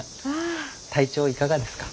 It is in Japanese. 体調いかがですか？